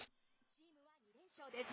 チームは２連勝です。